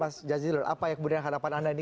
mas jazilul apa yang kemudian harapan anda ini